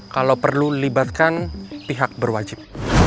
kalau perlu libatkan pihak berwajib